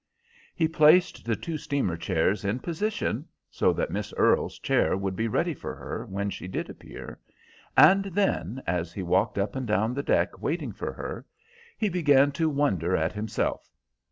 He placed the two steamer chairs in position, so that Miss Earle's chair would be ready for her when she did appear, and then, as he walked up and down the deck waiting for her, he began to wonder at himself.